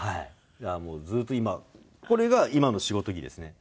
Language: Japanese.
だからもうずっと今これが今の仕事着ですね。